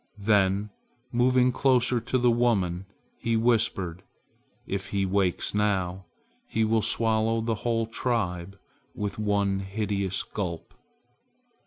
Then moving closer to the woman, he whispered: "If he wakes now, he will swallow the whole tribe with one hideous gulp!